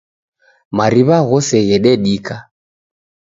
Mariw'a ghose ghededika.